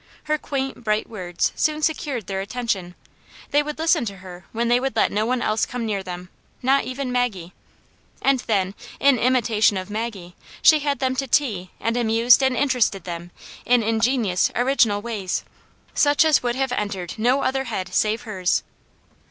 Her quaint bright words soon secured their attention ; they would listen to her when they would let no one else come near them, not even Maggie. And then, in imitation of Maggie, she had them to tea and amused and interested them in ingenious, original 214 Aunt Janets Hero. ways, such as would have entered no other head save hers.